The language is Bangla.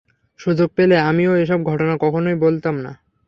সুযোগ পেলেও আমি এসব ঘটনা কখনোই বদলাতাম না।